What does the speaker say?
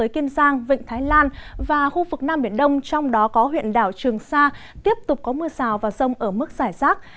kiên giang vịnh thái lan và khu vực nam biển đông trong đó có huyện đảo trường sa tiếp tục có mưa rào và rông ở mức giải rác